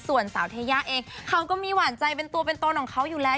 ส่วนสาวเทยาเองเขาก็มีหวานใจเป็นตัวเป็นตนของเขาอยู่แล้ว